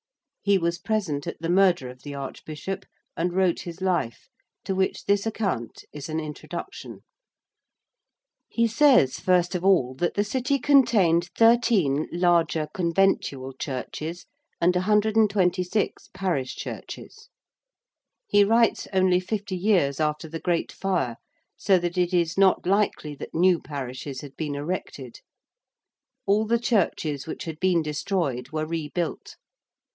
He was present at the murder of the Archbishop and wrote his life, to which this account is an introduction. [Illustration: A NORMAN SHIP. (From the Bayeux Tapestry.)] He says, first of all, that the City contained thirteen larger conventual churches and a hundred and twenty six parish churches. He writes only fifty years after the Great Fire, so that it is not likely that new parishes had been erected. All the churches which had been destroyed were rebuilt.